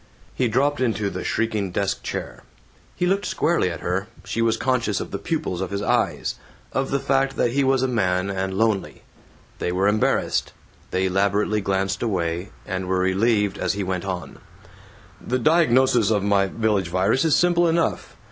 He dropped into the shrieking desk chair. He looked squarely at her; she was conscious of the pupils of his eyes; of the fact that he was a man, and lonely. They were embarrassed. They elaborately glanced away, and were relieved as he went on: "The diagnosis of my Village Virus is simple enough.